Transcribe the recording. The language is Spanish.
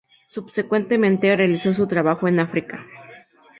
Subsecuentemente, realizó su trabajo en África.